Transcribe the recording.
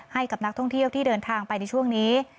ให้กับนักท่องเที่ยวที่เดินทางไปในช่วงนี้